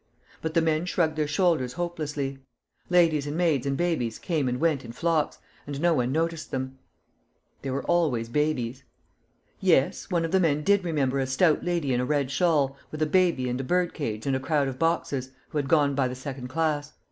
But the men shrugged their shoulders hopelessly. Ladies and maids and babies came and went in flocks, and no one noticed them. There were always babies. Yes; one of the men did remember a stout lady in a red shawl, with a baby and a birdcage and a crowd of boxes, who had gone by the second class.